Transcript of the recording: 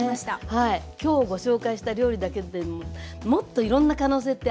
はい今日ご紹介した料理だけでももっといろんな可能性ってあると思うのね。